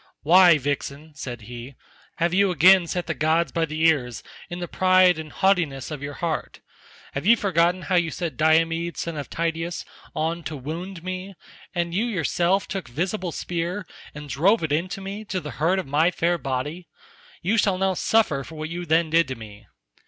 "Why, vixen," said he, "have you again set the gods by the ears in the pride and haughtiness of your heart? Have you forgotten how you set Diomed son of Tydeus on to wound me, and yourself took visible spear and drove it into me to the hurt of my fair body? You shall now suffer for what you then did to me."